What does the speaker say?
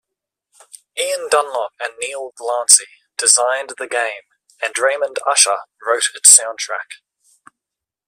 Ian Dunlop and Neill Glancy designed the game, and Raymond Usher wrote its soundtrack.